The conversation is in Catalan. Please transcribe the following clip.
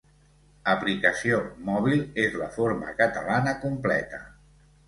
Aplicació mòbil és la forma catalana completa.